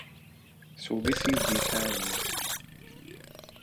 Souvisí s dýcháním.